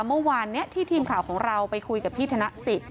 เมื่อวานนี้ที่ทีมข่าวของเราไปคุยกับพี่ธนสิทธิ